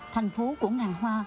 thành phố của ngàn hoa